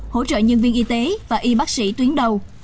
hỗ trợ nhân viên y tế và y bác sĩ tuyến đầu